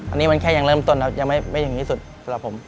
อันนี้มันแค่ยังเริ่มต้นแล้วยังไม่อย่างนี้สุดสำหรับผม